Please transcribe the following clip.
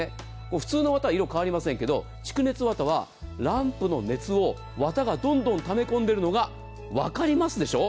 普通の綿は色が変わりませんが蓄熱綿はランプの熱を綿がどんどんため込んでるのがわかりますでしょ。